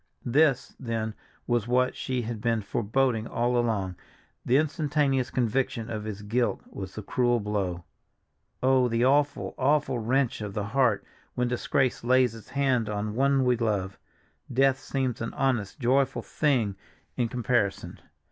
This, then, was what she had been foreboding all along; the instantaneous conviction of his guilt was the cruel blow. Oh, the awful, awful wrench of the heart, when disgrace lays its hand on one we love! Death seems an honest, joyful thing in comparison.